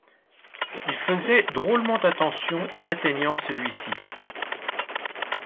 Il faisait drôlement attention en atteignant celui-ci